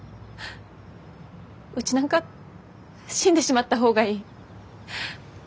うちなんか死んでしまった方がいい。